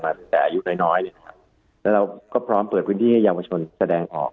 แต่อายุน้อยน้อยแล้วเราก็พร้อมเปิดพื้นที่ให้เยาวชนแสดงออก